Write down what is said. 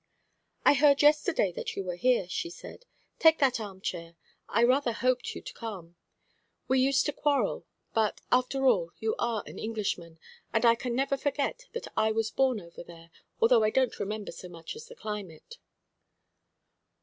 "I heard yesterday that you were here," she said. "Take that armchair. I rather hoped you'd come. We used to quarrel; but, after all, you are an Englishman, and I can never forget that I was born over there, although I don't remember so much as the climate."